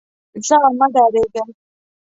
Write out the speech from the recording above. ځه مه ډارېږه.